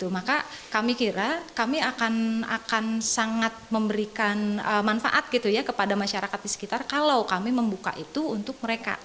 maka kami kira kami akan sangat memberikan manfaat gitu ya kepada masyarakat di sekitar kalau kami membuka itu untuk mereka